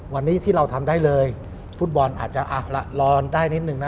วันนี้ที่เราทำได้เลยฟุตบอลอาจจะอ่ะละรอได้นิดนึงนะ